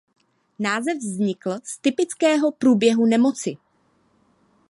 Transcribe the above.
Název vznikl z typického průběhu nemoci.